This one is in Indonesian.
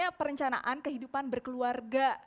sebenarnya perencanaan kehidupan berkeluarga